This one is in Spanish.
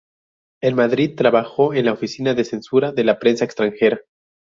En Madrid trabajó en la oficina de censura de la Prensa Extranjera.